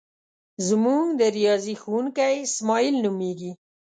زمونږ د ریاضی ښوونکی اسماعیل نومیږي.